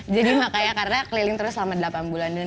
jadi makanya karena keliling terus selama delapan bulan